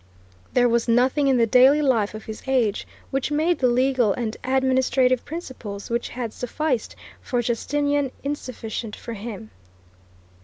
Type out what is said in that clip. There was nothing in the daily life of his age which made the legal and administrative principles which had sufficed for Justinian insufficient for him.